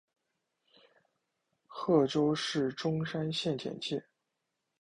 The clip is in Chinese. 贺州市钟山县简介